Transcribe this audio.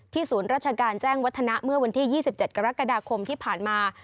ศูนย์ราชการแจ้งวัฒนะเมื่อวันที่๒๗กรกฎาคมที่ผ่านมา